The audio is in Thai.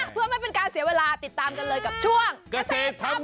เพื่อไม่เป็นการเสียเวลาติดตามกันเลยกับช่วงเกษตรทำ